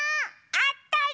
あったり！